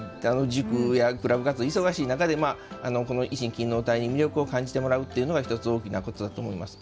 塾やクラブ活動が忙しい中で維新勤王隊に魅力を感じてもらうことが１つ大きなことだと思います。